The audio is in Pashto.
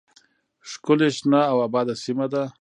، ښکلې، شنه او آباده سیمه ده.